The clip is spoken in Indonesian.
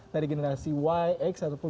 dari generasi y x ataupun